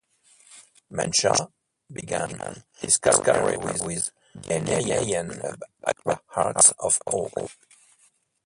Mensah began his career with Ghanaian club Accra Hearts of Oak.